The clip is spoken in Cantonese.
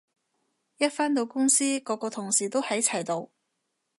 一返到公司個個同事喺齊度